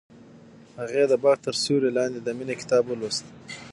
هغې د باغ تر سیوري لاندې د مینې کتاب ولوست.